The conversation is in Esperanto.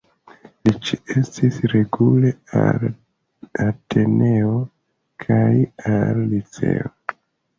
Li ĉeestis regule al Ateneo kaj al Liceo.